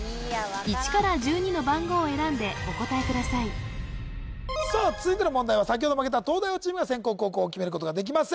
１から１２の番号を選んでお答えくださいさあ続いての問題は先ほど負けた東大王チームが先攻後攻を決めることができます